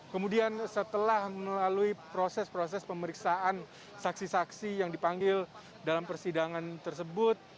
kemudian setelah melalui proses proses pemeriksaan saksi saksi yang dipanggil dalam persidangan tersebut